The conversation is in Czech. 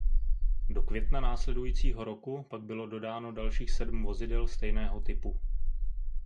Do května následujícího roku pak bylo dodáno dalších sedm vozidel stejného typu.